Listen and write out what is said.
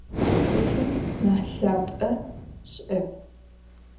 Ts'ıfım nah lhap'e şı'ep.